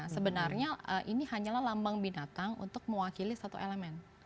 sebenarnya ini hanyalah lambang binatang untuk mewakili satu elemen